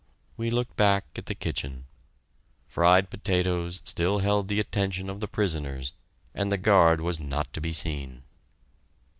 We looked back at the kitchen. Fried potatoes still held the attention of the prisoners, and the guard was not to be seen.